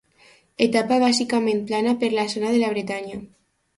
Etapa bàsicament plana per la zona de la Bretanya.